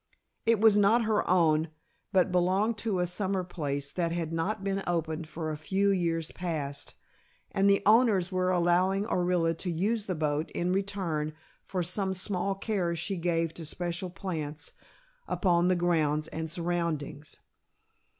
It was not her own, but belonged to a summer place that had not been opened for a few years past, and the owners were allowing Orilla to use the boat in return for some small care she gave to special plants upon the grounds and surroundings.